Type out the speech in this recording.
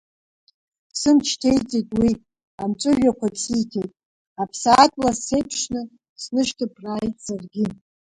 Сымч ҭеиҵеит уи, амҵәыжәҩақәагьы сиҭеит, аԥсаатә лас сеиԥшны, снышьҭыԥрааит саргьы.